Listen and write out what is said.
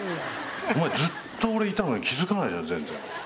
お前ずっと俺いたのに気付かないじゃん全然。